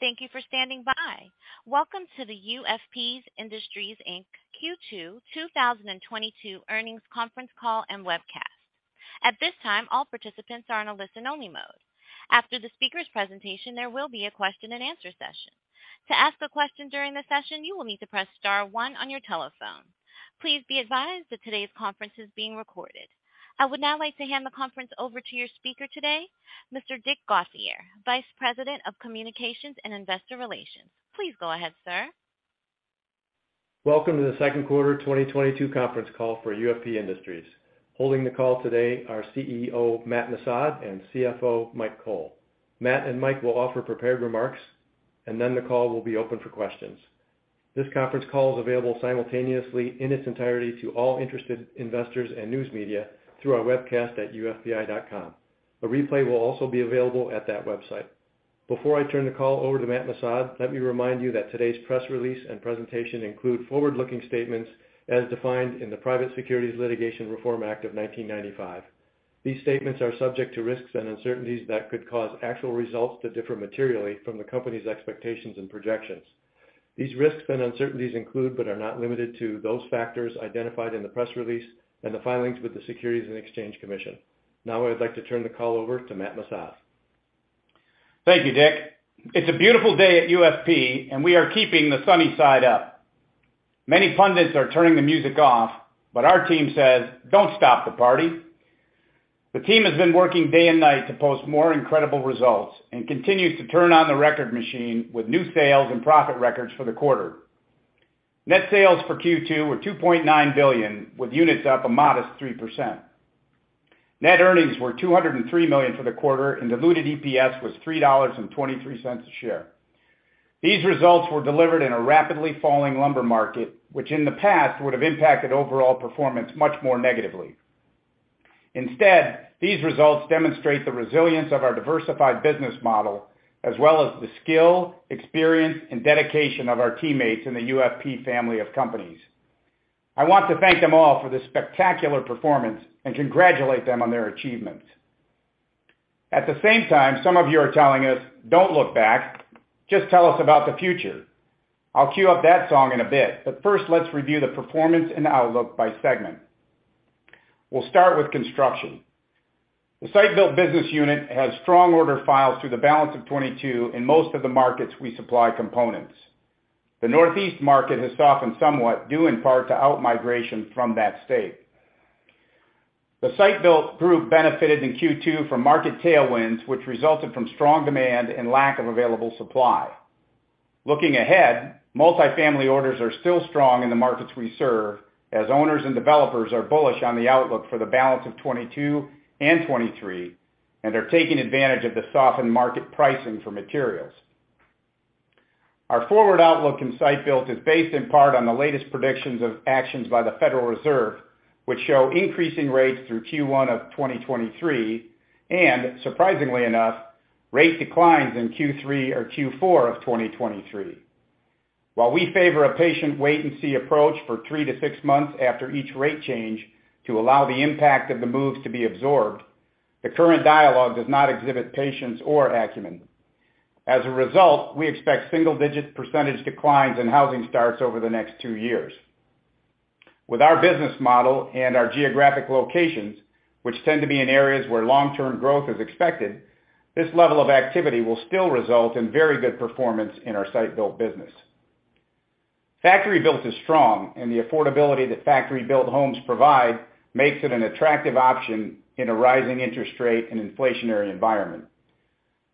Thank you for standing by. Welcome to the UFP Industries, Inc. Q2 2022 earnings conference call and webcast. At this time, all participants are in a listen-only mode. After the speaker's presentation, there will be a question and answer session. To ask a question during the session, you will need to press star one on your telephone. Please be advised that today's conference is being recorded. I would now like to hand the conference over to your speaker today, Mr. Dick Gauthier, Vice President of Communications and Investor Relations. Please go ahead, sir. Welcome to the second quarter 2022 conference call for UFP Industries. Holding the call today are CEO, Matt Missad, and CFO, Mike Cole. Matt and Mike will offer prepared remarks, and then the call will be open for questions. This conference call is available simultaneously in its entirely to all interested investors and news media through our webcast at ufpi.com. A replay will also be available at that website. Before I turn the call over to Matt Missad, let me remind you that today's press release and presentation include forward-looking statements as defined in the Private Securities Litigation Reform Act of 1995. These statements are subject to risks and uncertainties that could cause actual results to differ materially from the company's expectations and projections. These risks and uncertainties include, but are not limited to, those factors identified in the press release and the filings with the Securities and Exchange Commission. Now, I'd like to turn the call over to Matt Missad. Thank you, Dick. It's a beautiful day at UFP, and we are keeping the sunny side up. Many pundits are turning the music off, but our team says, "Don't stop the party." The team has been working day and night to post more incredible results and continues to turn on the record machine with new sales and profit records for the quarter. Net sales for Q2 were $2.9 billion, with units up a modest 3%. Net earnings were $203 million for the quarter, and diluted EPS was $3.23 a share. These results were delivered in a rapidly falling lumber market, which in the past would have impacted overall performance much more negatively. Instead, these results demonstrate the resilience of our diversified business model, as well as the skill, experience, and dedication of our teammates in the UFP family of companies. I want to thank them all for this spectacular performance and congratulate them on their achievements. At the same time, some of you are telling us, "Don't look back. Just tell us about the future." I'll queue up that song in a bit, but first, let's review the performance and outlook by segment. We'll start with construction. The Site Built business unit has strong order files through the balance of 2022 in most of the markets we supply components. The Northeast market has softened somewhat, due in part to out-migration from that state. The Site Built group benefited in Q2 from market tailwinds, which resulted from strong demand and lack of available supply. Looking ahead, multifamily orders are still strong in the markets we serve, as owners and developers are bullish on the outlook for the balance of 2022 and 2023, and they're taking advantage of the softened market pricing for materials. Our forward outlook in Site Built is based in part on the latest predictions of actions by the Federal Reserve, which show increasing rates through Q1 of 2023, and surprisingly enough, rate declines in Q3 or Q4 of 2023. While we favor a patient wait-and-see approach for three to six months after each rate change to allow the impact of the moves to be absorbed, the current dialogue does not exhibit patience or acumen. As a result, we expect single-digit percentage declines in housing starts over the next two years. With our business model and our geographic locations, which tend to be in areas where long-term growth is expected, this level of activity will still result in very good performance in our Site Built business. Factory Built is strong, and the affordability that Factory Built homes provide makes it an attractive option in a rising interest rate and inflationary environment.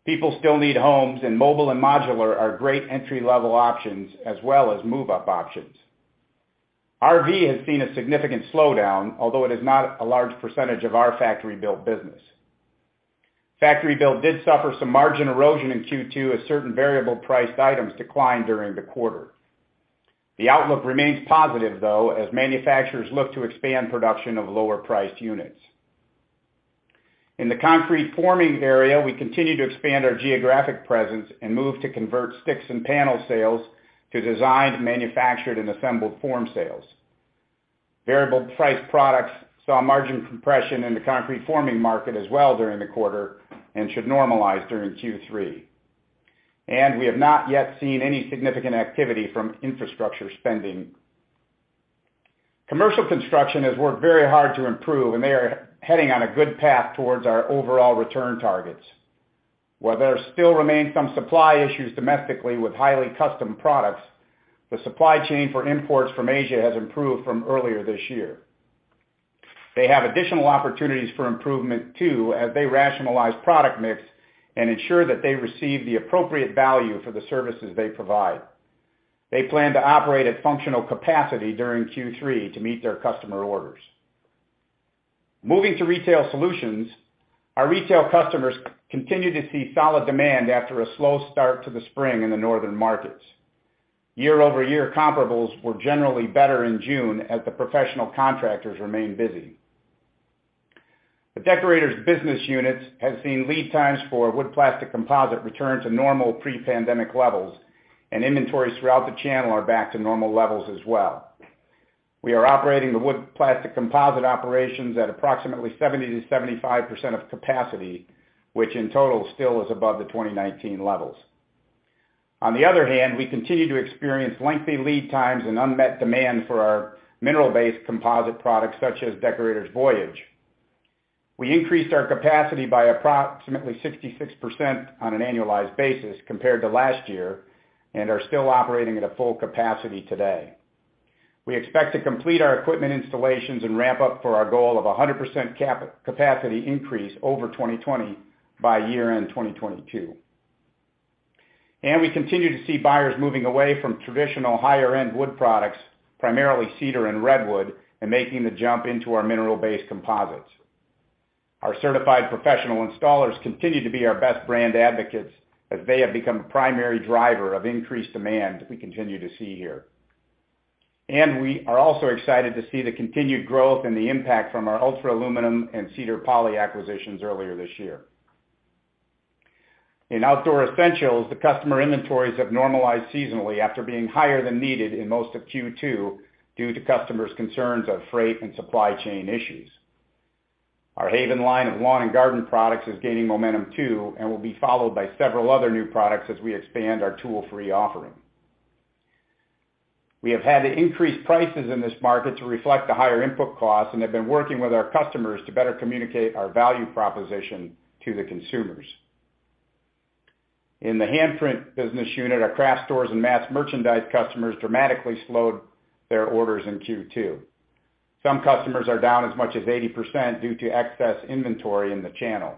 People still need homes, and mobile and modular are great entry-level options as well as move-up options. RV has seen a significant slowdown, although it is not a large percentage of our Factory Built business. Factory Built did suffer some margin erosion in Q2 as certain variable-priced items declined during the quarter. The outlook remains positive, though, as manufacturers look to expand production of lower-priced units. In the concrete forming area, we continue to expand our geographic presence and move to convert sticks and panel sales to designed, manufactured, and assembled form sales. Variable-priced products saw margin compression in the concrete forming market as well during the quarter and should normalize during Q3. We have not yet seen any significant activity from infrastructure spending. Commercial construction has worked very hard to improve, and they are heading on a good path towards our overall return targets. While there still remain some supply issues domestically with highly custom products, the supply chain for imports from Asia has improved from earlier this year. They have additional opportunities for improvement, too, as they rationalize product mix and ensure that they receive the appropriate value for the services they provide. They plan to operate at functional capacity during Q3 to meet their customer orders. Moving to retail solutions, our retail customers continue to see solid demand after a slow start to the spring in the northern markets. Year-over-year comparables were generally better in June as the professional contractors remained busy. The Deckorators business unit has seen lead times for wood plastic composite return to normal pre-pandemic levels, and inventories throughout the channel are back to normal levels as well. We are operating the wood plastic composite operations at approximately 70%-75% of capacity, which in total still is above the 2019 levels. On the other hand, we continue to experience lengthy lead times and unmet demand for our mineral-based composite products such as Deckorators Voyage. We increased our capacity by approximately 66% on an annualized basis compared to last year and are still operating at a full capacity today. We expect to complete our equipment installations and ramp up for our goal of a 100% capacity increase over 2020 by year-end 2022. We continue to see buyers moving away from traditional higher-end wood products, primarily cedar and redwood, and making the jump into our mineral-based composites. Our certified professional installers continue to be our best brand advocates as they have become a primary driver of increased demand we continue to see here. We are also excited to see the continued growth and the impact from our Ultra Aluminum and Cedar Poly acquisitions earlier this year. In Outdoor Essentials, the customer inventories have normalized seasonally after being higher than needed in most of Q2 due to customers' concerns of freight and supply chain issues. Our Haven line of lawn and garden products is gaining momentum too, and will be followed by several other new products as we expand our tool-free offering. We have had to increase prices in this market to reflect the higher input costs and have been working with our customers to better communicate our value proposition to the consumers. In the Handprint business unit, our craft stores and mass merchandise customers dramatically slowed their orders in Q2. Some customers are down as much as 80% due to excess inventory in the channel.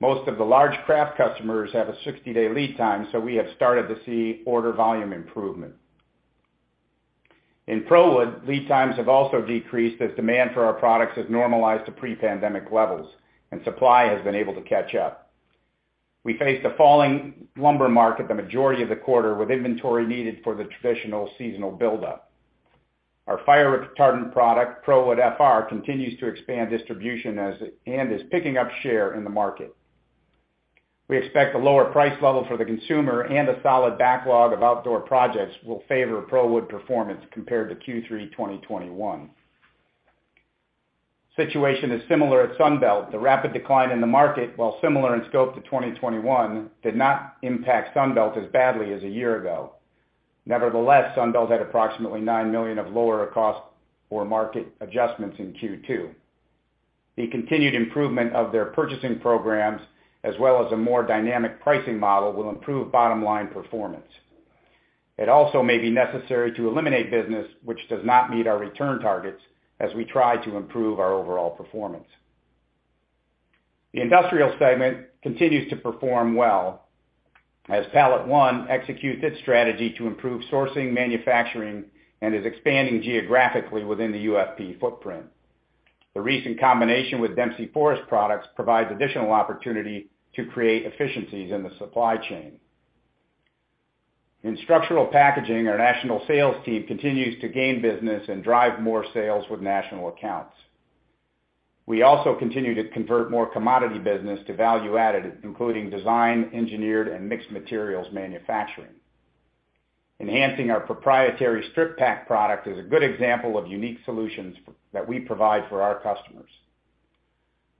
Most of the large craft customers have a 60-day lead time, so we have started to see order volume improvement. In ProWood, lead times have also decreased as demand for our products has normalized to pre-pandemic levels and supply has been able to catch up. We faced a falling lumber market the majority of the quarter with inventory needed for the traditional seasonal buildup. Our fire-retardant product, ProWood FR, continues to expand distribution as and is picking up share in the market. We expect a lower price level for the consumer and a solid backlog of outdoor projects will favor ProWood performance compared to Q3 2021. Situation is similar at Sunbelt. The rapid decline in the market, while similar in scope to 2021, did not impact Sunbelt as badly as a year ago. Nevertheless, Sunbelt had approximately $9 million of lower cost for market adjustments in Q2. The continued improvement of their purchasing programs, as well as a more dynamic pricing model, will improve bottom-line performance. It also may be necessary to eliminate business which does not meet our return targets as we try to improve our overall performance. The industrial segment continues to perform well as PalletOne executes its strategy to improve sourcing, manufacturing, and is expanding geographically within the UFP footprint. The recent combination with Dempsey Wood Products provides additional opportunity to create efficiencies in the supply chain. In structural packaging, our national sales team continues to gain business and drive more sales with national accounts. We also continue to convert more commodity business to value-added, including design, engineered, and mixed materials manufacturing. Enhancing our proprietary Strip-Pak product is a good example of unique solutions that we provide for our customers.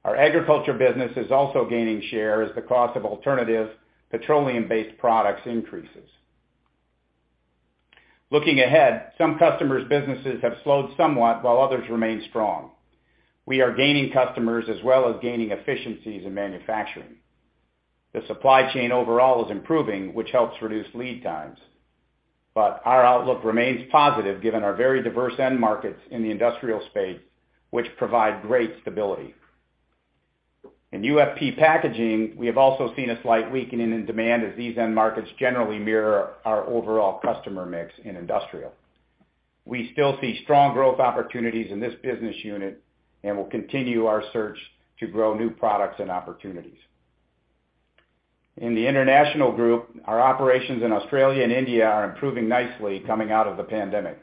Our agriculture business is also gaining share as the cost of alternative petroleum-based products increases. Looking ahead, some customers' businesses have slowed somewhat while others remain strong. We are gaining customers as well as gaining efficiencies in manufacturing. The supply chain overall is improving, which helps reduce lead times. Our outlook remains positive given our very diverse end markets in the industrial space, which provide great stability. In UFP Packaging, we have also seen a slight weakening in demand as these end markets generally mirror our overall customer mix in industrial. We still see strong growth opportunities in this business unit and will continue our search to grow new products and opportunities. In the international group, our operations in Australia and India are improving nicely coming out of the pandemic.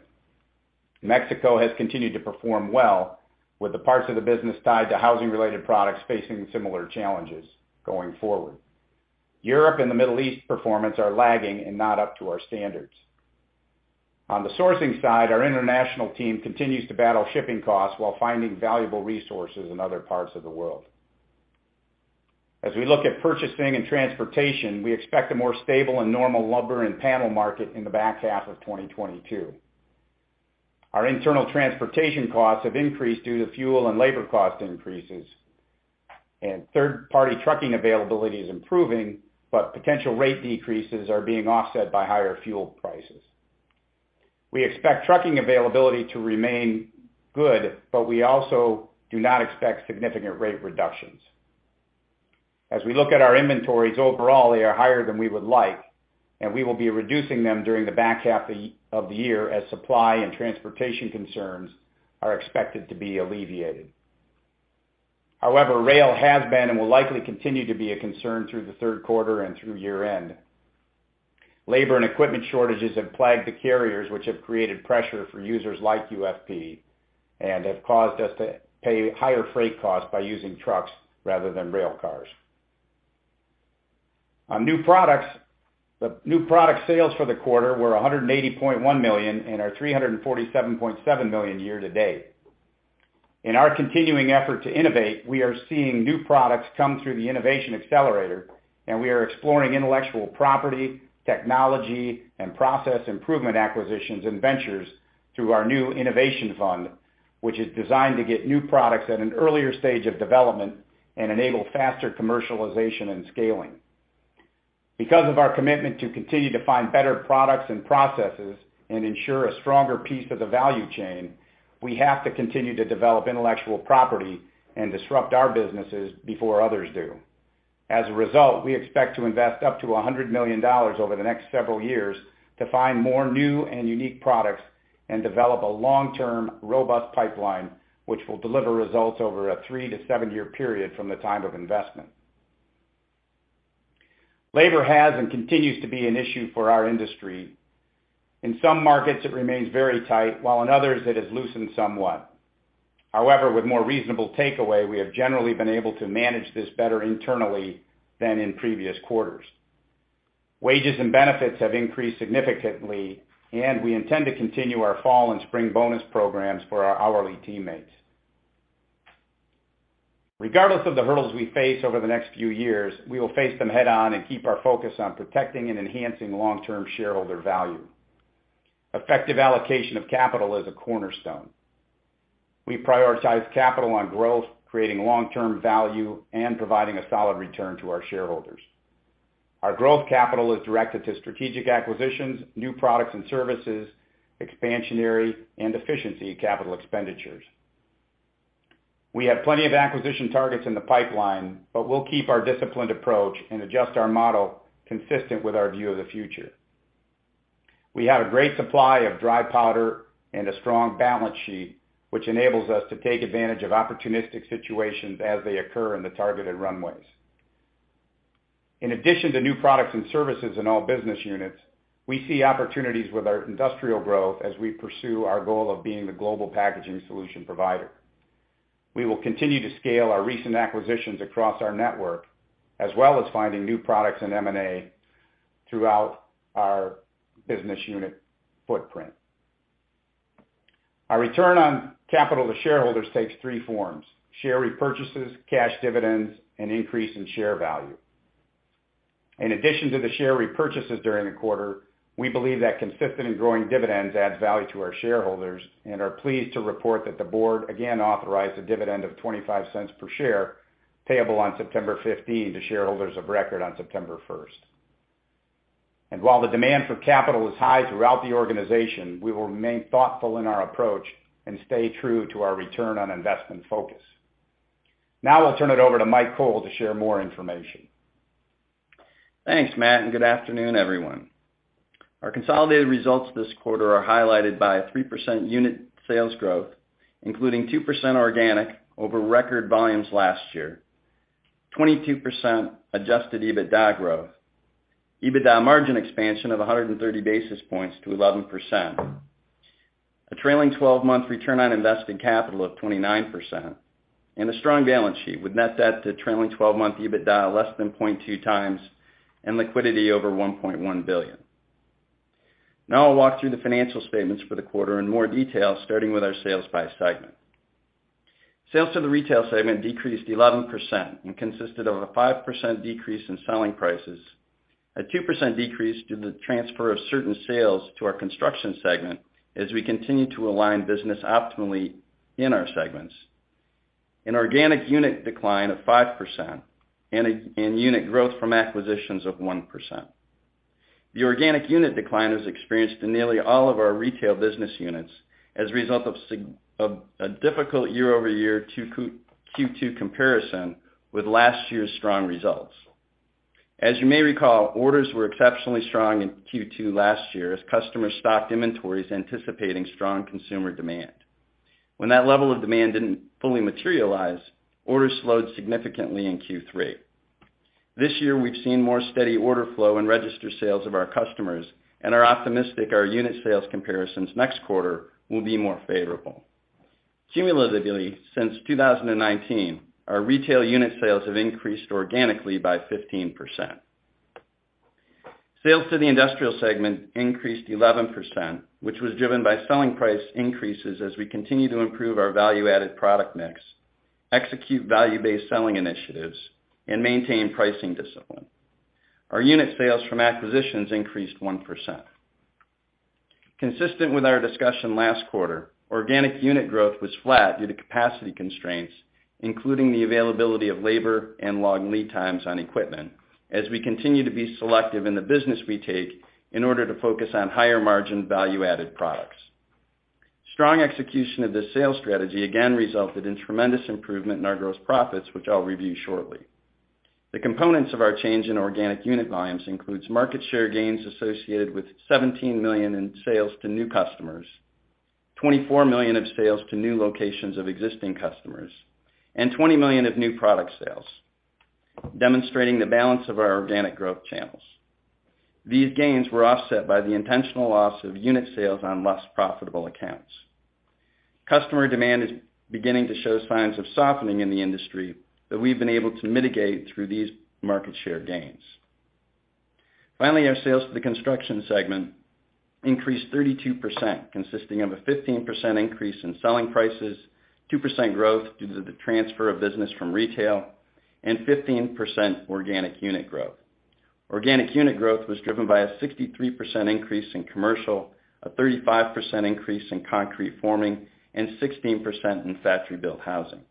Mexico has continued to perform well with the parts of the business tied to housing-related products facing similar challenges going forward. Europe and the Middle East performance are lagging and not up to our standards. On the sourcing side, our international team continues to battle shipping costs while finding valuable resources in other parts of the world. As we look at purchasing and transportation, we expect a more stable and normal lumber and panel market in the back half of 2022. Our internal transportation costs have increased due to fuel and labor cost increases, and third-party trucking availability is improving, but potential rate decreases are being offset by higher fuel prices. We expect trucking availability to remain good, but we also do not expect significant rate reductions. As we look at our inventories overall, they are higher than we would like, and we will be reducing them during the back half of the year as supply and transportation concerns are expected to be alleviated. However, rail has been and will likely continue to be a concern through the third quarter and through year-end. Labor and equipment shortages have plagued the carriers, which have created pressure for users like UFP and have caused us to pay higher freight costs by using trucks rather than rail cars. On new products, the new product sales for the quarter were $180.1 million in our $347.7 million year-to-date. In our continuing effort to innovate, we are seeing new products come through the innovation accelerator, and we are exploring intellectual property, technology, and process improvement acquisitions and ventures through our new innovation fund, which is designed to get new products at an earlier stage of development and enable faster commercialization and scaling. Because of our commitment to continue to find better products and processes and ensure a stronger piece of the value chain, we have to continue to develop intellectual property and disrupt our businesses before others do. As a result, we expect to invest up to $100 million over the next several years to find more new and unique products and develop a long-term robust pipeline, which will deliver results over a three-seven-year period from the time of investment. Labor has and continues to be an issue for our industry. In some markets, it remains very tight, while in others, it has loosened somewhat. However, with more reasonable takeaway, we have generally been able to manage this better internally than in previous quarters. Wages and benefits have increased significantly, and we intend to continue our fall and spring bonus programs for our hourly teammates. Regardless of the hurdles we face over the next few years, we will face them head on and keep our focus on protecting and enhancing long-term shareholder value. Effective allocation of capital is a cornerstone. We prioritize capital on growth, creating long-term value, and providing a solid return to our shareholders. Our growth capital is directed to strategic acquisitions, new products and services, expansionary and efficiency capital expenditures. We have plenty of acquisition targets in the pipeline, but we'll keep our disciplined approach and adjust our model consistent with our view of the future. We have a great supply of dry powder and a strong balance sheet, which enables us to take advantage of opportunistic situations as they occur in the targeted runways. In addition to new products and services in all business units, we see opportunities with our industrial growth as we pursue our goal of being the global packaging solution provider. We will continue to scale our recent acquisitions across our network, as well as finding new products in M&A throughout our business unit footprint. Our return on capital to shareholders takes three forms, share repurchases, cash dividends, and increase in share value. In addition to the share repurchases during the quarter, we believe that consistent and growing dividends adds value to our shareholders and are pleased to report that the board again authorized a dividend of $0.25 per share payable on 15th September to shareholders of record on 1st September. While the demand for capital is high throughout the organization, we will remain thoughtful in our approach and stay true to our return on investment focus. Now, I'll turn it over to Mike Cole to share more information. Thanks, Matt, and good afternoon, everyone. Our consolidated results this quarter are highlighted by a 3% unit sales growth, including 2% organic over record volumes last year, 22% adjusted EBITDA growth, EBITDA margin expansion of 130 basis points to 11%, a trailing 12-month return on invested capital of 29%, and a strong balance sheet with net debt to trailing 12-month EBITDA less than 0.2x and liquidity over $1.1 billion. Now I'll walk through the financial statements for the quarter in more detail, starting with our sales by segment. Sales to the retail segment decreased 11% and consisted of a 5% decrease in selling prices, a 2% decrease due to the transfer of certain sales to our construction segment as we continue to align business optimally in our segments. An organic unit decline of 5% and unit growth from acquisitions of 1%. The organic unit decline was experienced in nearly all of our retail business units as a result of a difficult year-over-year Q2 comparison with last year's strong results. As you may recall, orders were exceptionally strong in Q2 last year as customers stocked inventories anticipating strong consumer demand. When that level of demand didn't fully materialize, orders slowed significantly in Q3. This year, we've seen more steady order flow and register sales of our customers and are optimistic our unit sales comparisons next quarter will be more favorable. Cumulatively, since 2019, our retail unit sales have increased organically by 15%. Sales to the industrial segment increased 11%, which was driven by selling price increases as we continue to improve our value-added product mix, execute value-based selling initiatives, and maintain pricing discipline. Our unit sales from acquisitions increased 1%. Consistent with our discussion last quarter, organic unit growth was flat due to capacity constraints, including the availability of labor and long lead times on equipment as we continue to be selective in the business we take in order to focus on higher-margin value-added products. Strong execution of this sales strategy again resulted in tremendous improvement in our gross profits, which I'll review shortly. The components of our change in organic unit volumes includes market share gains associated with $17 million in sales to new customers, $24 million of sales to new locations of existing customers, and $20 million of new product sales, demonstrating the balance of our organic growth change. These gains were offset by the intentional loss of unit sales on less profitable accounts. Customer demand is beginning to show signs of softening in the industry, but we've been able to mitigate through these market share gains. Finally, our sales to the construction segment increased 32%, consisting of a 15% increase in selling prices, 2% growth due to the transfer of business from retail, and 15% organic unit growth. Organic unit growth was driven by a 63% increase in commercial, a 35% increase in concrete forming, and 16% in factory-built housing.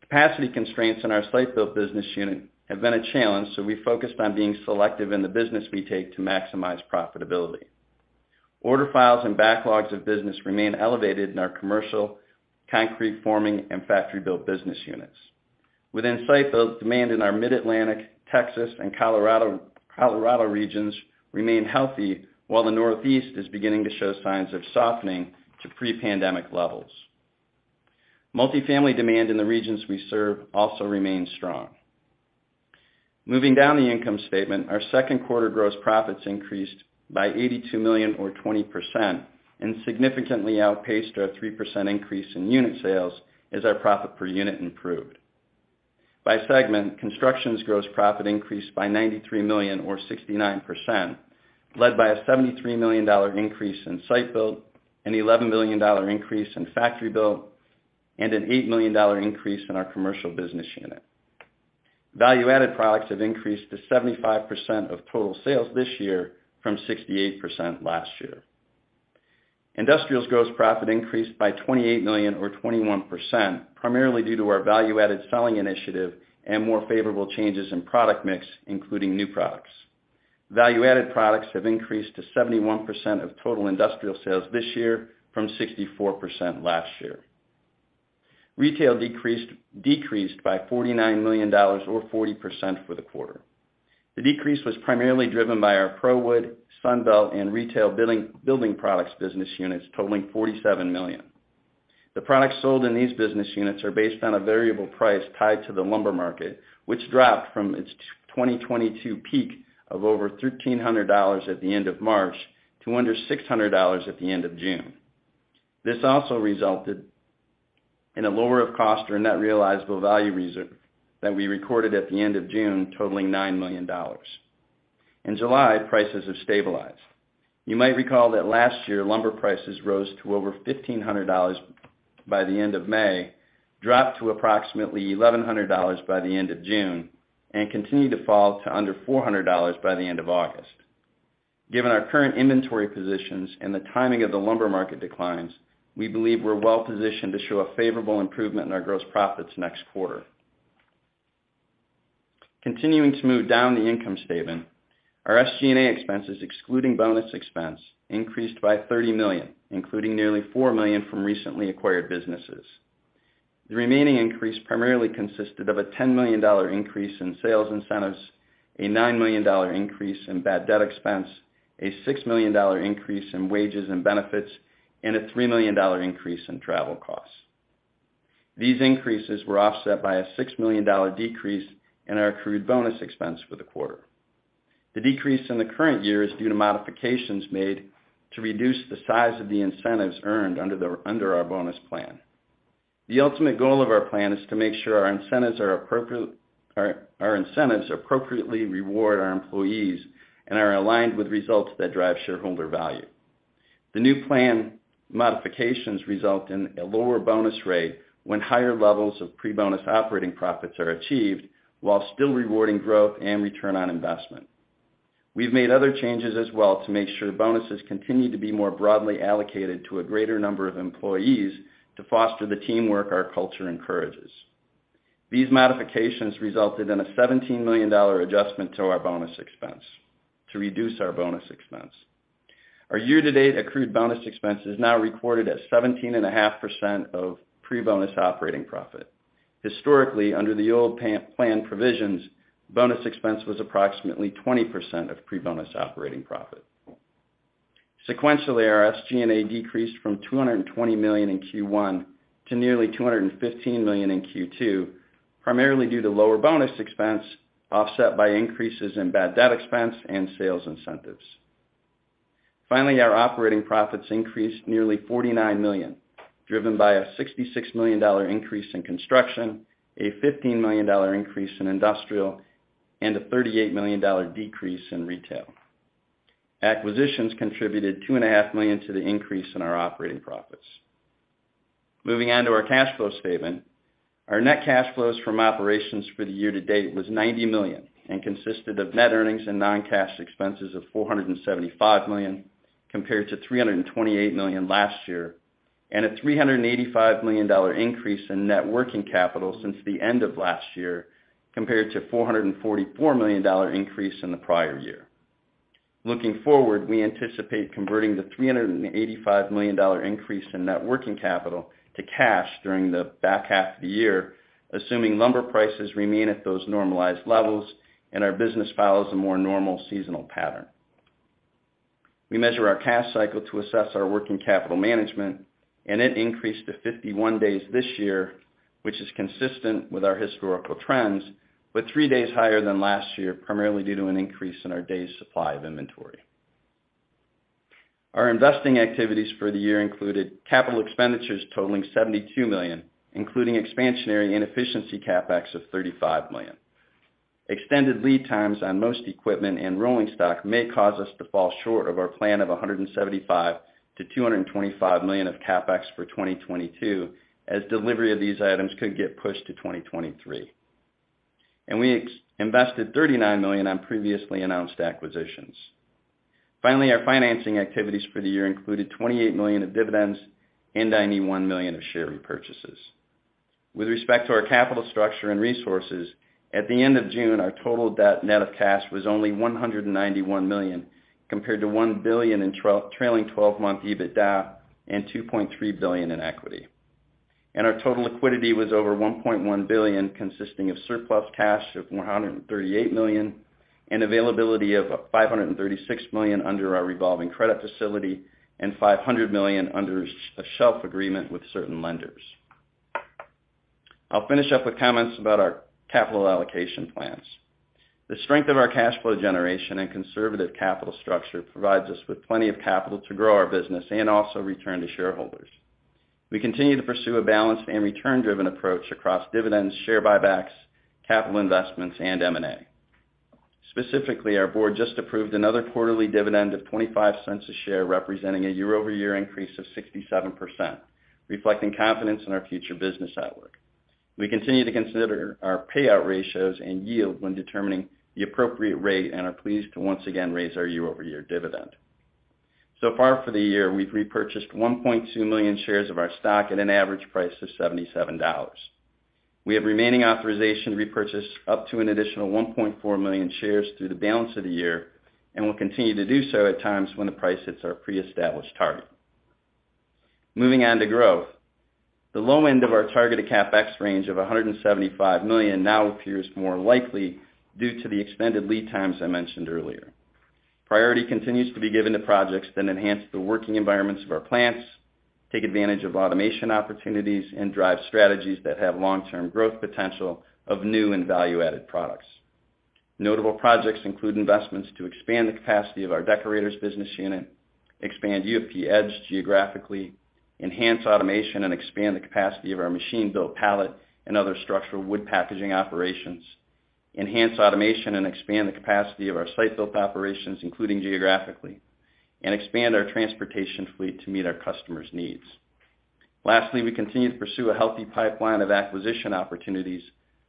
Capacity constraints in our Site Built business unit have been a challenge, so we focused on being selective in the business we take to maximize profitability. Order files and backlogs of business remain elevated in our commercial, concrete forming, and Factory Built business units. Within Site Built, demand in our Mid-Atlantic, Texas, and Colorado regions remain healthy, while the Northeast is beginning to show signs of softening to pre-pandemic levels. Multifamily demand in the regions we serve also remains strong. Moving down the income statement, our second quarter gross profits increased by $82 million or 20% and significantly outpaced our 3% increase in unit sales as our profit per unit improved. By segment, construction's gross profit increased by $93 million or 69%, led by a $73 million increase in Site Built, an $11 million increase in Factory Built, and an $8 million increase in our commercial business unit. Value-added products have increased to 75% of total sales this year from 68% last year. Industrial's gross profit increased by $28 million or 21%, primarily due to our value-added selling initiative and more favorable changes in product mix, including new products. Value-added products have increased to 71% of total industrial sales this year from 64% last year. Retail decreased by $49 million or 40% for the quarter. The decrease was primarily driven by our ProWood, Sunbelt, and Retail Building Products business units totaling $47 million. The products sold in these business units are based on a variable price tied to the lumber market, which dropped from its 2022 peak of over $1,300 at the end of March to under $600 at the end of June. This also resulted in a lower of cost or net realizable value reserve that we recorded at the end of June totaling $9 million. In July, prices have stabilized. You might recall that last year, lumber prices rose to over $1,500 by the end of May, dropped to approximately $1,100 by the end of June, and continued to fall to under $400 by the end of August. Given our current inventory positions and the timing of the lumber market declines, we believe we're well-positioned to show a favorable improvement in our gross profits next quarter. Continuing to move down the income statement, our SG&A expenses, excluding bonus expense, increased by $30 million, including nearly $4 million from recently acquired businesses. The remaining increase primarily consisted of a $10 million increase in sales incentives, a $9 million increase in bad debt expense, a $6 million increase in wages and benefits, and a $3 million increase in travel costs. These increases were offset by a $6 million decrease in our accrued bonus expense for the quarter. The decrease in the current year is due to modifications made to reduce the size of the incentives earned under our bonus plan. The ultimate goal of our plan is to make sure our incentives are appropriate, our incentives appropriately reward our employees and are aligned with results that drive shareholder value. The new plan modifications result in a lower bonus rate when higher levels of pre-bonus operating profits are achieved, while still rewarding growth and return on investment. We've made other changes as well to make sure bonuses continue to be more broadly allocated to a greater number of employees to foster the teamwork our culture encourages. These modifications resulted in a $17 million adjustment to our bonus expense to reduce our bonus expense. Our year-to-date accrued bonus expense is now recorded as 17.5% of pre-bonus operating profit. Historically, under the old plan provisions, bonus expense was approximately 20% of pre-bonus operating profit. Sequentially, our SG&A decreased from $220 million in Q1 to nearly $215 million in Q2, primarily due to lower bonus expense offset by increases in bad debt expense and sales incentives. Finally, our operating profits increased nearly $49 million, driven by a $66 million increase in construction, a $15 million increase in industrial, and a $38 million decrease in retail. Acquisitions contributed $2.5 million to the increase in our operating profits. Moving on to our cash flow statement. Our net cash flows from operations for the year-to-date was $90 million and consisted of net earnings and non-cash expenses of $475 million, compared to $328 million last year, and a $385 million increase in net working capital since the end of last year, compared to $444 million increase in the prior year. Looking forward, we anticipate converting the $385 million increase in net working capital to cash during the back half of the year, assuming lumber prices remain at those normalized levels and our business follows a more normal seasonal pattern. We measure our cash cycle to assess our working capital management, and it increased to 51-days this year, which is consistent with our historical trends, but three days higher than last year, primarily due to an increase in our days supply of inventory. Our investing activities for the year included capital expenditures totaling $72 million, including expansionary and efficiency CapEx of $35 million. Extended lead times on most equipment and rolling stock may cause us to fall short of our plan of $175 million-$225 million of CapEx for 2022, as delivery of these items could get pushed to 2023. We invested $39 million on previously announced acquisitions. Finally, our financing activities for the year included $28 million of dividends and $91 million of share repurchases. With respect to our capital structure and resources, at the end of June, our total debt net of cash was only $191 million compared to $1 billion in trailing twelve-month EBITDA and $2.3 billion in equity. Our total liquidity was over $1.1 billion, consisting of surplus cash of $138 million and availability of $536 million under our revolving credit facility and $500 million under shelf agreement with certain lenders. I'll finish up with comments about our capital allocation plans. The strength of our cash flow generation and conservative capital structure provides us with plenty of capital to grow our business and also return to shareholders. We continue to pursue a balanced and return-driven approach across dividends, share buybacks, capital investments, and M&A. Specifically, our board just approved another quarterly dividend of $0.25 a share, representing a year-over-year increase of 67%, reflecting confidence in our future business outlook. We continue to consider our payout ratios and yield when determining the appropriate rate and are pleased to once again raise our year-over-year dividend. So far for the year, we've repurchased 1.2 million shares of our stock at an average price of $77. We have remaining authorization to repurchase up to an additional 1.4 million shares through the balance of the year, and we'll continue to do so at times when the price hits our pre-established target. Moving on to growth. The low end of our targeted CapEx range of $175 million now appears more likely due to the extended lead times I mentioned earlier. Priority continues to be given to projects that enhance the working environments of our plants, take advantage of automation opportunities, and drive strategies that have long-term growth potential of new and value-added products. Notable projects include investments to expand the capacity of our Deckorators business unit, expand UFP Edge geographically, enhance automation, and expand the capacity of our machine-built pallet and other structural wood packaging operations, expand the capacity of our Site Built operations, including geographically, and expand our transportation fleet to meet our customers' needs. Lastly, we continue to pursue a healthy pipeline of acquisition opportunities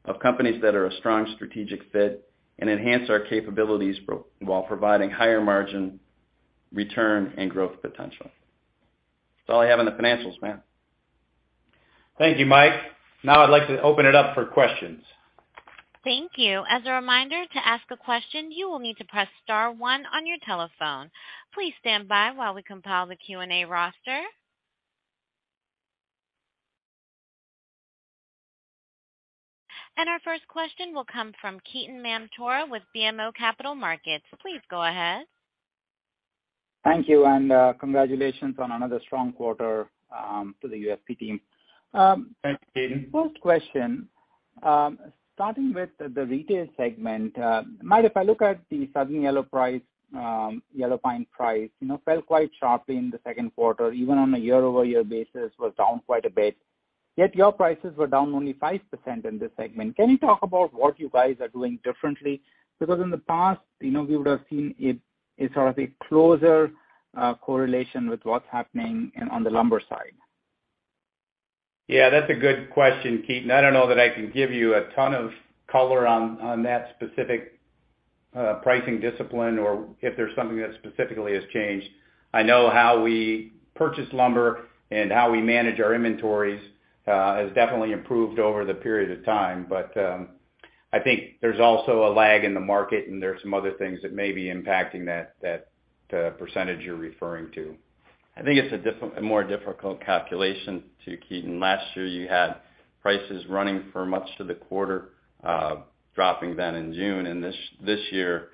of companies that are a strong strategic fit and enhance our capabilities while providing higher margin, return, and growth potential. That's all I have on the financials, Matt. Thank you, Mike. Now I'd like to open it up for questions. Thank you. As a reminder, to ask a question, you will need to press star one on your telephone. Please stand by while we compile the Q&A roster. Our first question will come from Ketan Mamtora with BMO Capital Markets. Please go ahead. Thank you, and congratulations on another strong quarter to the UFP team. Thank you, Ketan. First question. Starting with the retail segment. Mike, if I look at the Southern Yellow Pine price, you know, fell quite sharply in the second quarter, even on a year-over-year basis, was down quite a bit, yet your prices were down only 5% in this segment. Can you talk about what you guys are doing differently? Because in the past, you know, we would have seen it, a sort of a closer correlation with what's happening on the lumber side. Yeah, that's a good question, Ketan. I don't know that I can give you a ton of color on that specific pricing discipline or if there's something that specifically has changed. I know how we purchase lumber and how we manage our inventories has definitely improved over the period of time. But I think there's also a lag in the market, and there's some other things that may be impacting that, the percentage you're referring to. I think it's a more difficult calculation too, Ketan. Last year, you had prices running for much of the quarter dropping then in June. This year,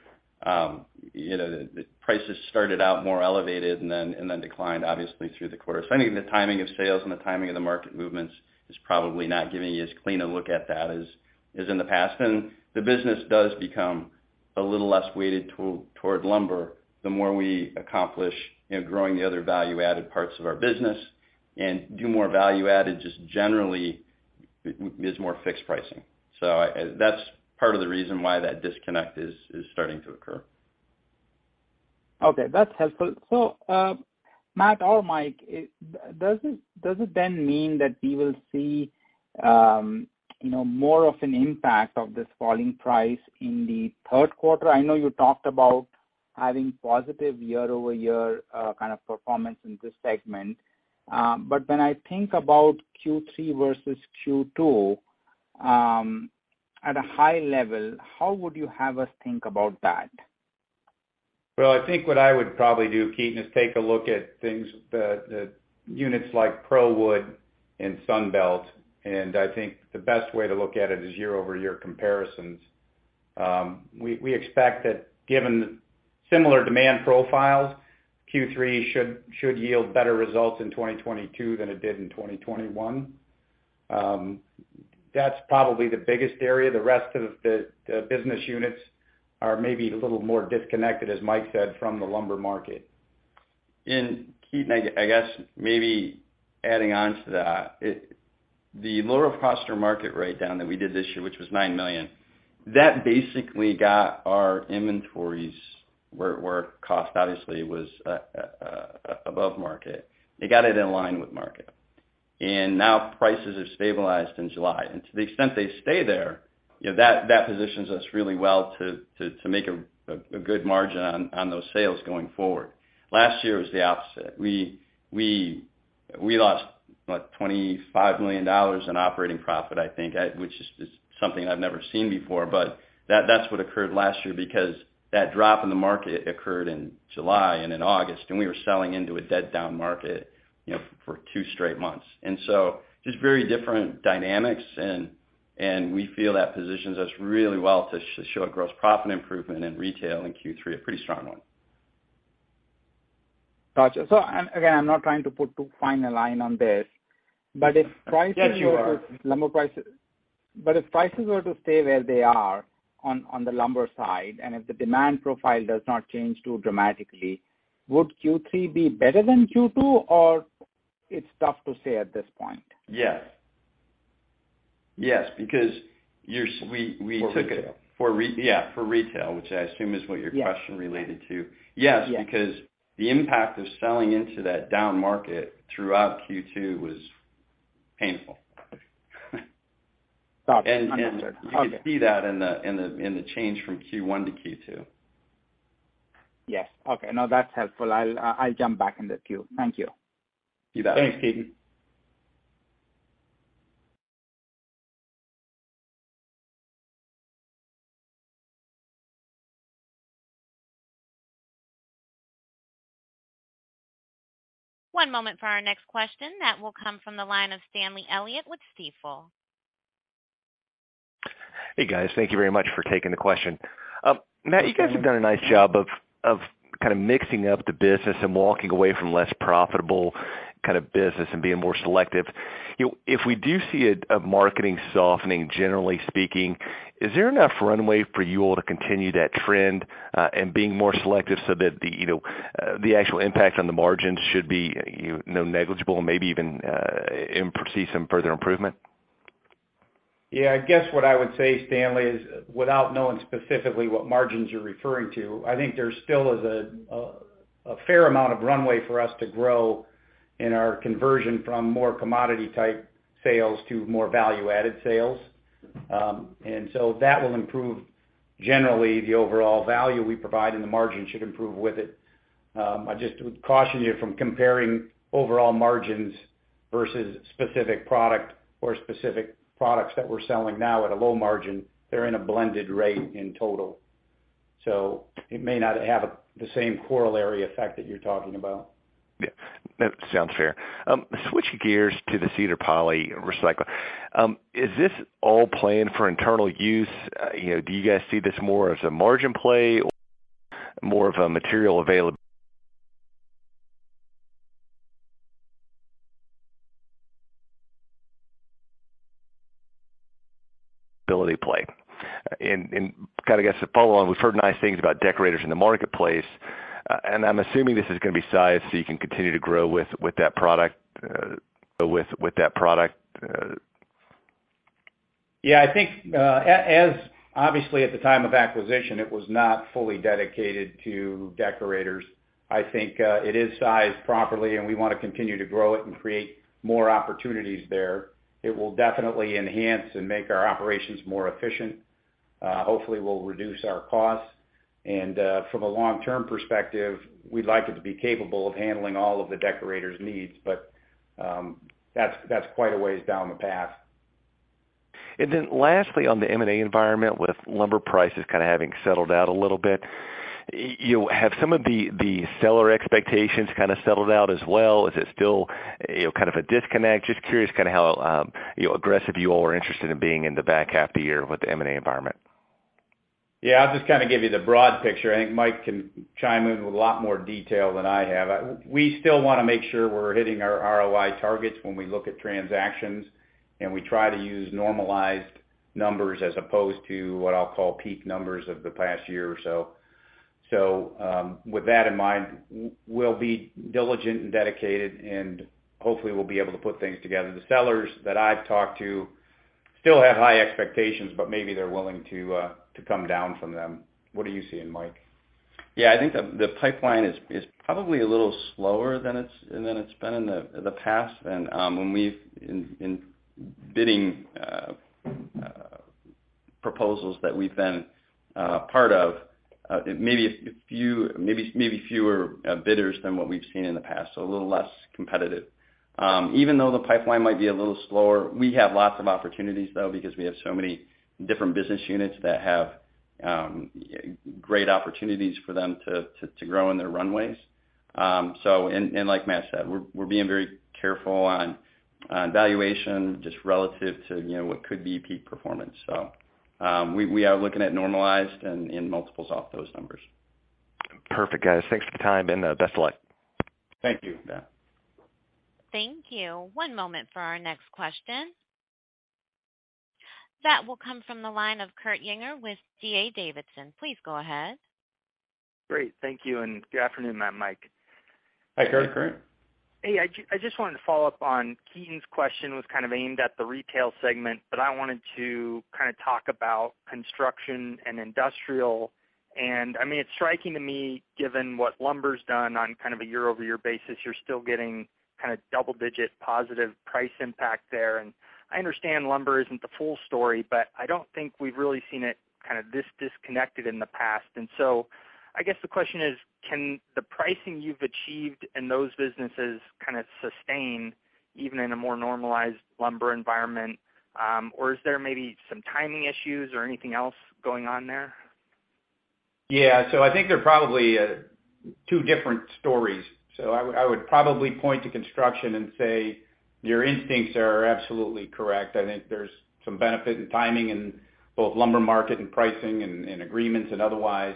you know, the prices started out more elevated and then declined, obviously, through the quarter. I think the timing of sales and the timing of the market movements is probably not giving you as clean a look at that as in the past. The business does become a little less weighted toward lumber the more we accomplish, you know, growing the other value-added parts of our business and do more value-added just generally is more fixed pricing. I, that's part of the reason why that disconnect is starting to occur. Okay, that's helpful. Matt or Mike, does it then mean that we will see, you know, more of an impact of this falling price in the third quarter? I know you talked about having positive year-over-year kind of performance in this segment. When I think about Q3 versus Q2, at a high level, how would you have us think about that? Well, I think what I would probably do, Ketan, is take a look at things, the units like ProWood and Sunbelt, and I think the best way to look at it is year-over-year comparisons. We expect that given similar demand profiles, Q3 should yield better results in 2022 than it did in 2021. That's probably the biggest area. The rest of the business units are maybe a little more disconnected, as Mike said, from the lumber market. Ketan, I guess maybe adding on to that. The lower cost or market rate down that we did this year, which was $9 million, that basically got our inventories where cost obviously was above market. It got it in line with market. Now prices have stabilized in July. To the extent they stay there, you know, that positions us really well to make a good margin on those sales going forward. Last year was the opposite. We lost, what? $25 million in operating profit, I think, which is something I've never seen before, but that's what occurred last year because that drop in the market occurred in July and in August, and we were selling into a dead down market, you know, for two straight months. Just very different dynamics and we feel that positions us really well to show a gross profit improvement in retail in Q3, a pretty strong one. Gotcha. Again, I'm not trying to put too fine a line on this, but if prices were to Yes, you are. Lumber prices. If prices were to stay where they are on the lumber side, and if the demand profile does not change too dramatically, would Q3 be better than Q2, or it's tough to say at this point? Yes, because we took it. For retail. For retail, which I assume is what your question related to. Yes. Yeah. Yes, because the impact of selling into that down market throughout Q2 was painful. Gotcha. Understood. Okay. You could see that in the change from Q1 to Q2. Yes. Okay. No, that's helpful. I'll jump back in the queue. Thank you. You bet. Thanks, Ketan. One moment for our next question. That will come from the line of Stanley Elliott with Stifel. Hey, guys. Thank you very much for taking the question. Matt, you guys have done a nice job of kind of mixing up the business and walking away from less profitable kind of business and being more selective. You know, if we do see a market softening, generally speaking, is there enough runway for you all to continue that trend, and being more selective so that the, you know, the actual impact on the margins should be, you know, negligible and maybe even foresee some further improvement? Yeah, I guess what I would say, Stanley, is without knowing specifically what margins you're referring to, I think there still is a fair amount of runway for us to grow in our conversion from more commodity type sales to more value-added sales. That will improve generally the overall value we provide, and the margin should improve with it. I just would caution you from comparing overall margins versus specific product or specific products that we're selling now at a low margin. They're in a blended rate in total. It may not have the same corollary effect that you're talking about. Yeah. No, sounds fair. Switching gears to the Cedar Poly recycler. Is this all planned for internal use? You know, do you guys see this more as a margin play or more of a material availability play? Kinda I guess to follow on, we've heard nice things about Deckorators in the marketplace. I'm assuming this is gonna be sized so you can continue to grow with that product. Yeah. I think, as obviously at the time of acquisition, it was not fully dedicated to Deckorators. I think, it is sized properly, and we wanna continue to grow it and create more opportunities there. It will definitely enhance and make our operations more efficient, hopefully will reduce our costs. From a long-term perspective, we'd like it to be capable of handling all of the Deckorators needs. That's quite a way down the path. Lastly, on the M&A environment, with lumber prices kind of having settled out a little bit, you have some of the seller expectations kind of settled out as well. Is it still, you know, kind of a disconnect? Just curious kind of how, you know, aggressive you all are interested in being in the back half of the year with the M&A environment. Yeah. I'll just kind of give you the broad picture. I think Mike can chime in with a lot more detail than I have. We still wanna make sure we're hitting our ROI targets when we look at transactions, and we try to use normalized numbers as opposed to what I'll call peak numbers of the past year or so. With that in mind, we'll be diligent and dedicated, and hopefully, we'll be able to put things together. The sellers that I've talked to still have high expectations, but maybe they're willing to come down from them. What are you seeing, Mike? Yeah. I think the pipeline is probably a little slower than it's been in the past. When we've in bidding proposals that we've been part of, maybe fewer bidders than what we've seen in the past, so a little less competitive. Even though the pipeline might be a little slower, we have lots of opportunities though because we have so many different business units that have great opportunities for them to grow in their runways. Like Matt said, we're being very careful on valuation just relative to, you know, what could be peak performance. We are looking at normalized and multiples off those numbers. Perfect, guys. Thanks for the time and best of luck. Thank you, Stan. Thank you. One moment for our next question. That will come from the line of Kurt Yinger with D.A. Davidson. Please go ahead. Great. Thank you, and good afternoon, Matt and Mike. Hi, Kurt. Hey, I just wanted to follow up on Ketan's question, was kind of aimed at the retail segment, but I wanted to kind of talk about construction and industrial. I mean, it's striking to me, given what lumber's done on kind of a year-over-year basis. You're still getting kind of double-digit positive price impact there. I understand lumber isn't the full story, but I don't think we've really seen it kind of this disconnected in the past. I guess the question is, can the pricing you've achieved in those businesses kind of sustain even in a more normalized lumber environment, or is there maybe some timing issues or anything else going on there? Yeah. I think they're probably two different stories. I would probably point to construction and say your instincts are absolutely correct. I think there's some benefit in timing in both lumber market and pricing and agreements and otherwise,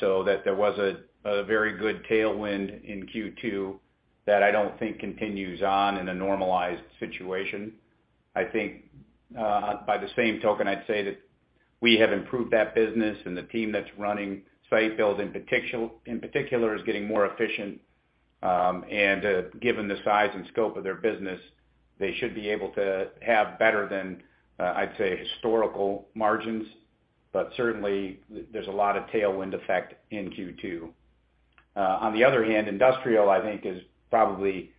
so that there was a very good tailwind in Q2 that I don't think continues on in a normalized situation. I think, by the same token, I'd say that we have improved that business and the team that's running Site Built, in particular, is getting more efficient. Given the size and scope of their business, they should be able to have better than, I'd say, historical margins. Certainly there's a lot of tailwind effect in Q2. On the other hand, industrial, I think is probably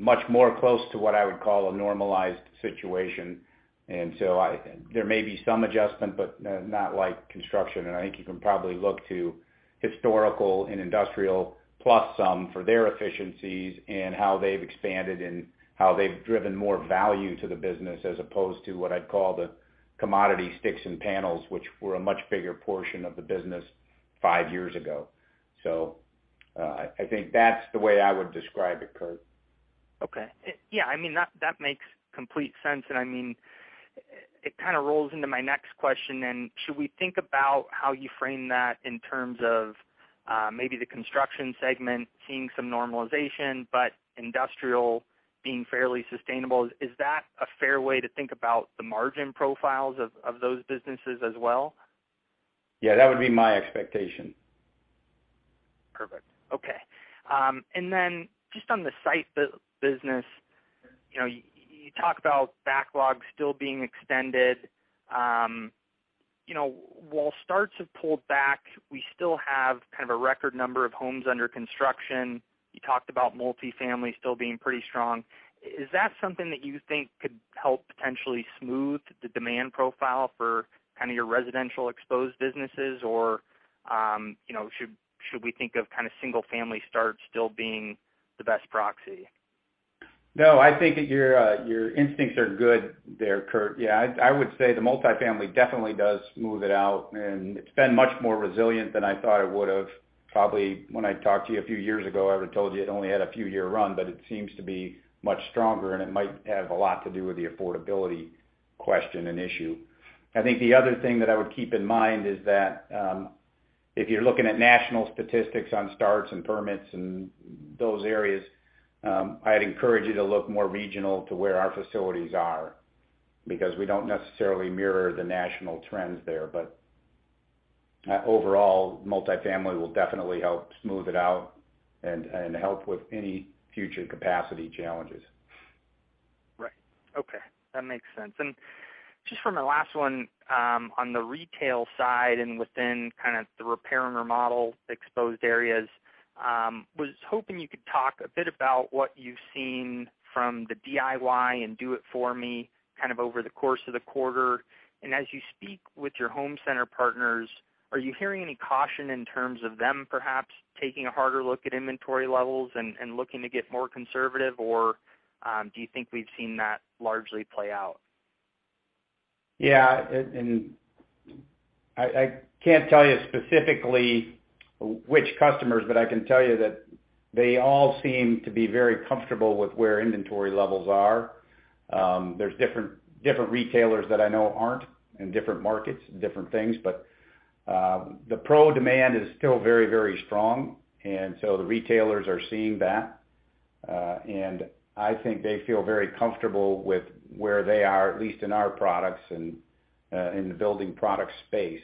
much more close to what I would call a normalized situation. There may be some adjustment, but not like construction. I think you can probably look to historical and industrial plus some for their efficiencies and how they've expanded and how they've driven more value to the business as opposed to what I'd call the commodity sticks and panels, which were a much bigger portion of the business five years ago. I think that's the way I would describe it, Kurt. Okay. Yeah. I mean, that makes complete sense. I mean, it kind of rolls into my next question. Should we think about how you frame that in terms of maybe the construction segment seeing some normalization, but industrial being fairly sustainable? Is that a fair way to think about the margin profiles of those businesses as well? Yeah, that would be my expectation. Perfect. Okay. Just on the Site Built business, you know, you talk about backlog still being extended. You know, while starts have pulled back, we still have kind of a record number of homes under construction. You talked about multifamily still being pretty strong. Is that something that you think could help potentially smooth the demand profile for kind of your residential exposed businesses? Or, you know, should we think of kind of single family starts still being the best proxy? No, I think that your your instincts are good there, Kurt. Yeah, I would say the multifamily definitely does smooth it out, and it's been much more resilient than I thought it would have. Probably when I talked to you a few years ago, I would've told you it only had a few-year run, but it seems to be much stronger and it might have a lot to do with the affordability question and issue. I think the other thing that I would keep in mind is that, if you're looking at national statistics on starts and permits and those areas, I'd encourage you to look more regional to where our facilities are because we don't necessarily mirror the national trends there. Overall, multifamily will definitely help smooth it out and help with any future capacity challenges. Right. Okay. That makes sense. Just for my last one, on the retail side and within kind of the repair and remodel exposed areas, was hoping you could talk a bit about what you've seen from the DIY and do it for me kind of over the course of the quarter. As you speak with your home center partners, are you hearing any caution in terms of them perhaps taking a harder look at inventory levels and looking to get more conservative? Or, do you think we've seen that largely play out? Yeah. I can't tell you specifically which customers, but I can tell you that they all seem to be very comfortable with where inventory levels are. There's different retailers that I know are in different markets and different things, but the pro demand is still very strong, and so the retailers are seeing that. I think they feel very comfortable with where they are, at least in our products and in the building product space.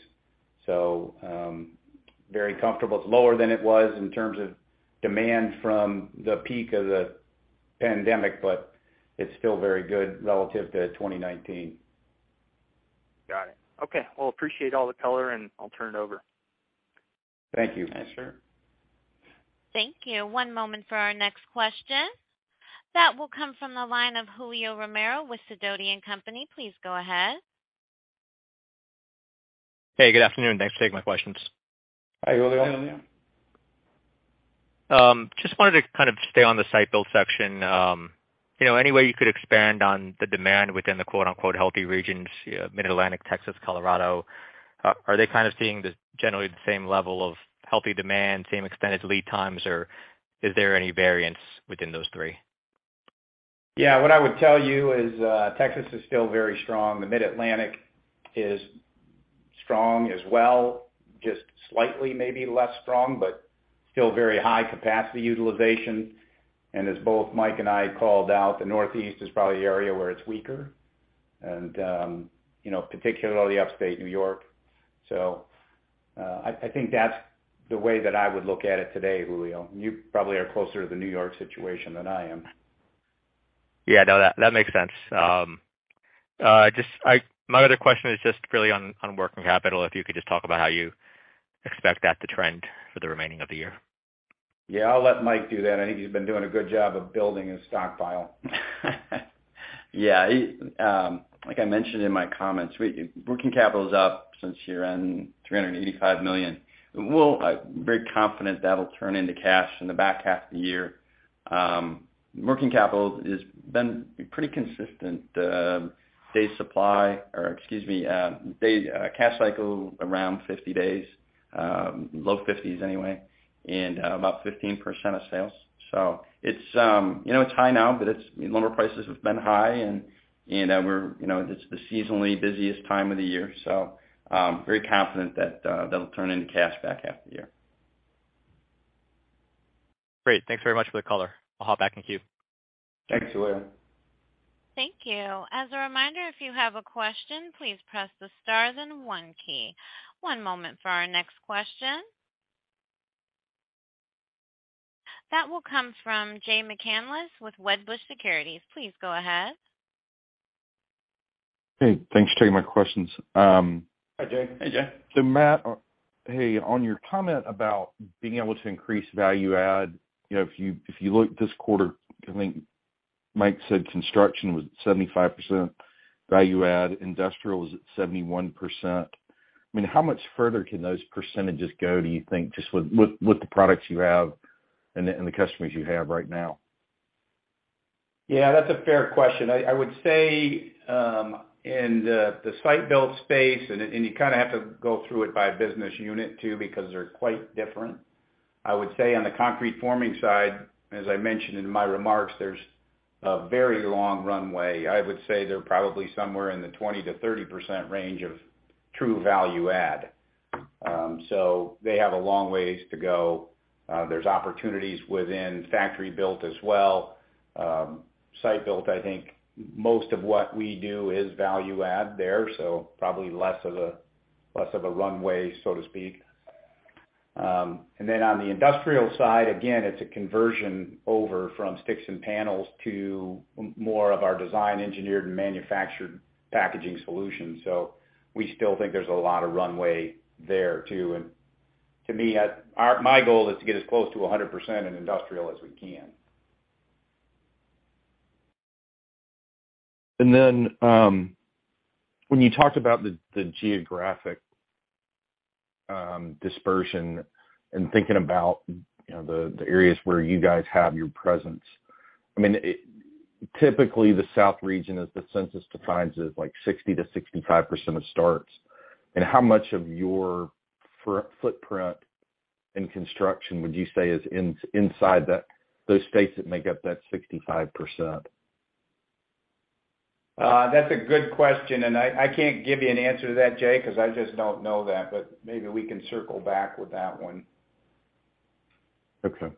Very comfortable. It's lower than it was in terms of demand from the peak of the pandemic, but it's still very good relative to 2019. Got it. Okay. Well, appreciate all the color, and I'll turn it over. Thank you. Yes, sir. Thank you. One moment for our next question. That will come from the line of Julio Romero with Sidoti & Company. Please go ahead. Hey, good afternoon. Thanks for taking my questions. Hi, Julio. Just wanted to kind of stay on the Site Built section. You know, any way you could expand on the demand within the quote unquote healthy regions, Mid-Atlantic, Texas, Colorado. Are they kind of seeing generally the same level of healthy demand, same extended lead times, or is there any variance within those three? Yeah, what I would tell you is, Texas is still very strong. The Mid-Atlantic is strong as well, just slightly maybe less strong, but still very high capacity utilization. As both Mike and I called out, the Northeast is probably the area where it's weaker and, you know, particularly upstate New York. I think that's the way that I would look at it today, Julio. You probably are closer to the New York situation than I am. Yeah. No, that makes sense. Just my other question is just really on working capital, if you could just talk about how you expect that to trend for the remainder of the year. Yeah, I'll let Mike do that. I think he's been doing a good job of building his stockpile. Yeah, like I mentioned in my comments, working capital is up since year-end, $385 million. I'm very confident that'll turn into cash in the back half of the year. Working capital has been pretty consistent, days cash cycle around 50 days, low 50s anyway, and about 15% of sales. It's high now, but lumber prices have been high and, you know, we're, you know, it's the seasonally busiest time of the year, very confident that that'll turn into cash back half of the year. Great. Thanks very much for the color. I'll hop back in queue. Thanks, Julio. Thank you. As a reminder, if you have a question, please press the star then one key. One moment for our next question. That will come from Jay McCanless with Wedbush Securities. Please go ahead. Hey, thanks for taking my questions. Hi, Jay. Hey, Jay. Matt, hey, on your comment about being able to increase value add, you know, if you look this quarter, I think Mike said construction was at 75%, value add industrial was at 71%. I mean, how much further can those percentages go, do you think, just with the products you have and the customers you have right now? Yeah, that's a fair question. I would say in the Site Built space, and you kind of have to go through it by business unit too, because they're quite different. I would say on the concrete forming side, as I mentioned in my remarks, there's a very long runway. I would say they're probably somewhere in the 20%-30% range of true value add. So they have a long ways to go. There's opportunities within Factory Built as well. Site Built, I think most of what we do is value add there, so probably less of a runway, so to speak. Then on the industrial side, again, it's a conversion over from sticks and panels to more of our design engineered and manufactured packaging solution. We still think there's a lot of runway there too. To me, my goal is to get as close to 100% in industrial as we can. Then, when you talked about the geographic dispersion and thinking about, you know, the areas where you guys have your presence, I mean, it typically the South region as the census defines it, is like 60%-65% of starts. How much of your footprint in construction would you say is inside that, those states that make up that 65%? That's a good question, and I can't give you an answer to that, Jay, 'cause I just don't know that, but maybe we can circle back with that one. Okay.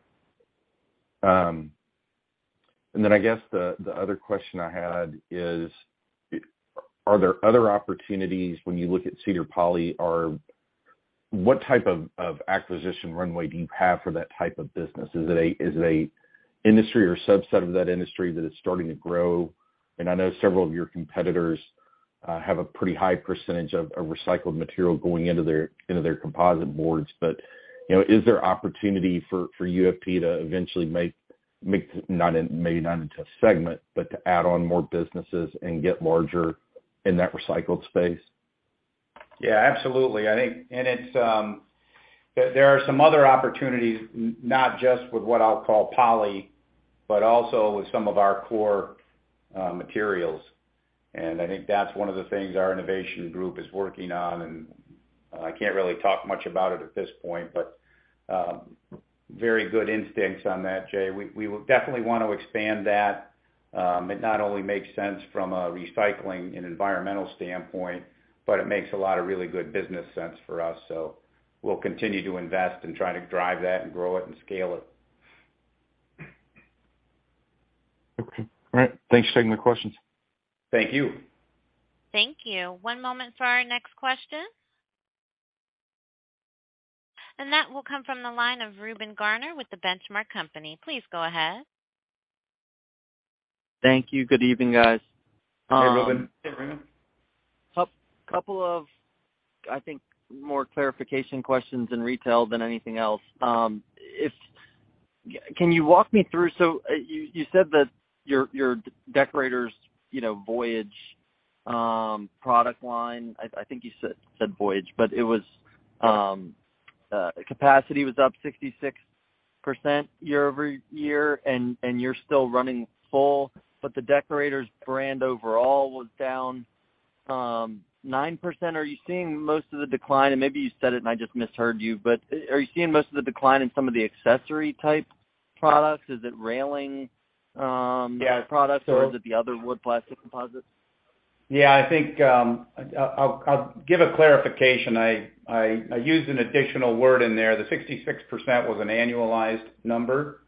I guess the other question I had is, are there other opportunities when you look at Cedar Poly or what type of acquisition runway do you have for that type of business? Is it a industry or subset of that industry that is starting to grow? I know several of your competitors have a pretty high percentage of recycled material going into their composite boards. You know, is there opportunity for UFP to eventually make maybe not into a segment, but to add on more businesses and get larger in that recycled space? Yeah, absolutely. I think and it's there are some other opportunities, not just with what I'll call poly, but also with some of our core materials. I think that's one of the things our innovation group is working on, and I can't really talk much about it at this point, but very good instincts on that, Jay. We will definitely wanna expand that. It not only makes sense from a recycling and environmental standpoint, but it makes a lot of really good business sense for us. We'll continue to invest and try to drive that and grow it and scale it. Okay. All right. Thanks for taking the questions. Thank you. Thank you. One moment for our next question. That will come from the line of Reuben Garner with the Benchmark Company. Please go ahead. Thank you. Good evening, guys. Hey, Reuben. Hey, Reuben. Couple of, I think, more clarification questions in retail than anything else. Can you walk me through, so you said that your Deckorators, you know, Voyage product line, I think you said Voyage, but it was Capacity was up 66% year-over-year, and you're still running full, but the Deckorators brand overall was down 9%. Are you seeing most of the decline? Maybe you said it and I just misheard you, but are you seeing most of the decline in some of the accessory type products? Is it railing? Yeah products, or is it the other wood plastic composites? Yeah, I think I'll give a clarification. I used an additional word in there. The 66% was an annualized number,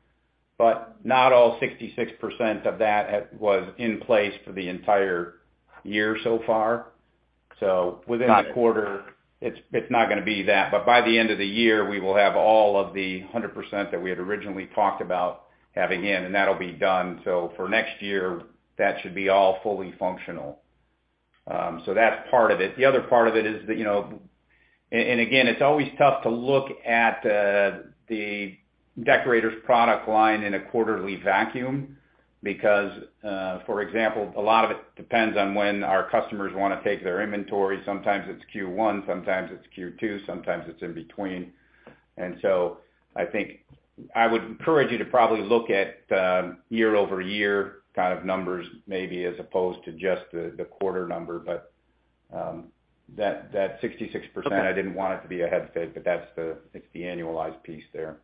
but not all 66% of that was in place for the entire year so far. Within the quarter, it's not gonna be that. By the end of the year, we will have all of the 100% that we had originally talked about having in, and that'll be done. For next year, that should be all fully functional. That's part of it. The other part of it is that, you know, and again, it's always tough to look at the Deckorators product line in a quarterly vacuum because, for example, a lot of it depends on when our customers wanna take their inventory. Sometimes it's Q1, sometimes it's Q2, sometimes it's in between. I think I would encourage you to probably look at year-over-year kind of numbers, maybe as opposed to just the quarter number. That 66%, I didn't want it to be a head fake, but that's the annualized piece there.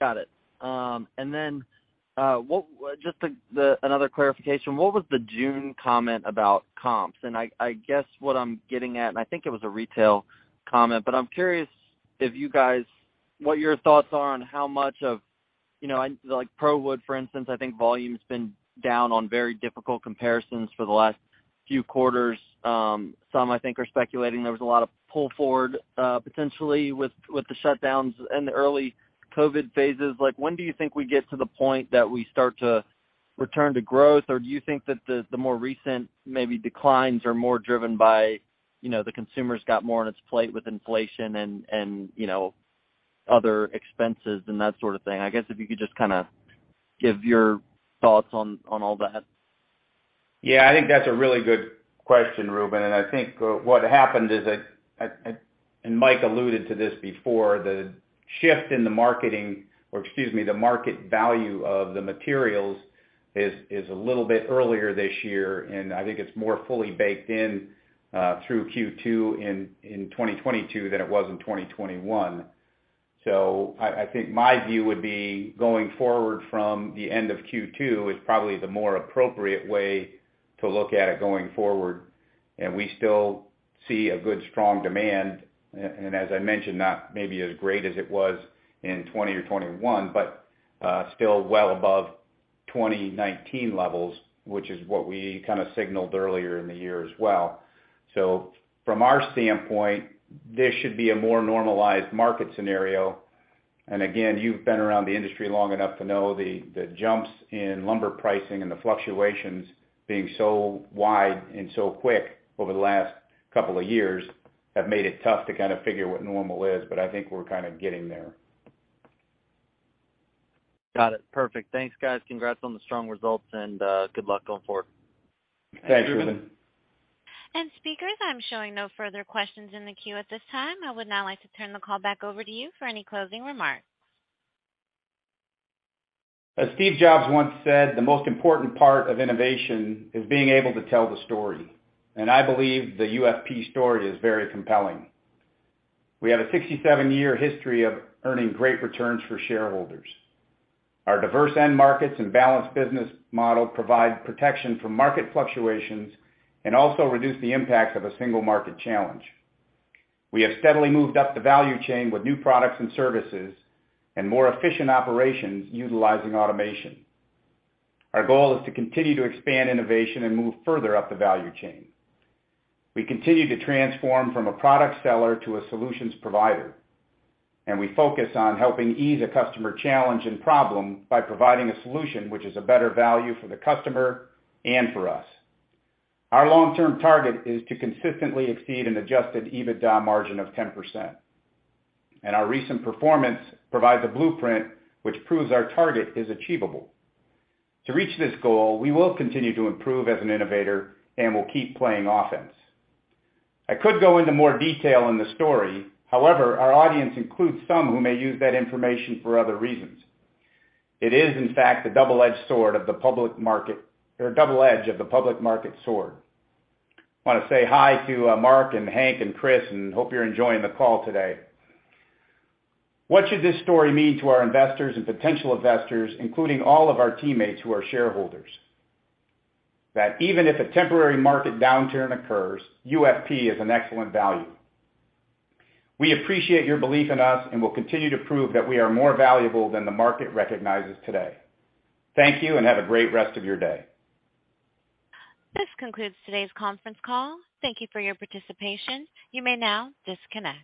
Got it. Just the, another clarification. What was the June comment about comps? I guess what I'm getting at, I think it was a retail comment, but I'm curious if you guys what your thoughts are on how much of, you know, like, ProWood, for instance, I think volume's been down on very difficult comparisons for the last few quarters. Some, I think, are speculating there was a lot of pull forward, potentially with the shutdowns and the early COVID phases. Like, when do you think we get to the point that we start to return to growth? Or do you think that the more recent maybe declines are more driven by, you know, the consumers got more on its plate with inflation and, you know, other expenses and that sort of thing? I guess if you could just kinda give your thoughts on all that. Yeah, I think that's a really good question, Reuben. I think what happened is that, and Mike alluded to this before, the shift in the market value of the materials is a little bit earlier this year, and I think it's more fully baked in through Q2 in 2022 than it was in 2021. I think my view would be going forward from the end of Q2 is probably the more appropriate way to look at it going forward. We still see a good, strong demand, and as I mentioned, not maybe as great as it was in 2020 or 2021, but still well above 2019 levels, which is what we kinda signaled earlier in the year as well. From our standpoint, this should be a more normalized market scenario. Again, you've been around the industry long enough to know the jumps in lumber pricing and the fluctuations being so wide and so quick over the last couple of years have made it tough to kinda figure what normal is. I think we're kind of getting there. Got it. Perfect. Thanks, guys. Congrats on the strong results, and good luck going forward. Thanks, Reuben. speakers, I'm showing no further questions in the queue at this time. I would now like to turn the call back over to you for any closing remarks. As Steve Jobs once said, the most important part of innovation is being able to tell the story, and I believe the UFP story is very compelling. We have a 67-year history of earning great returns for shareholders. Our diverse end markets and balanced business model provide protection from market fluctuations and also reduce the impacts of a single market challenge. We have steadily moved up the value chain with new products and services and more efficient operations utilizing automation. Our goal is to continue to expand innovation and move further up the value chain. We continue to transform from a product seller to a solutions provider, and we focus on helping ease a customer challenge and problem by providing a solution which is a better value for the customer and for us. Our long-term target is to consistently exceed an adjusted EBITDA margin of 10%, and our recent performance provides a blueprint which proves our target is achievable. To reach this goal, we will continue to improve as an innovator and will keep playing offense. I could go into more detail in the story. However, our audience includes some who may use that information for other reasons. It is, in fact, the double-edged sword of the public market or double edge of the public market sword. I wanna say hi to Mark and Hank and Chris, and hope you're enjoying the call today. What should this story mean to our investors and potential investors, including all of our teammates who are shareholders? That even if a temporary market downturn occurs, UFP is an excellent value. We appreciate your belief in us and will continue to prove that we are more valuable than the market recognizes today. Thank you and have a great rest of your day. This concludes today's conference call. Thank you for your participation. You may now disconnect.